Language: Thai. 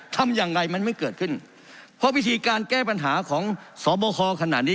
ทำยังไงมันไม่เกิดขึ้นเพราะวิธีการแก้ปัญหาของสบคขนาดนี้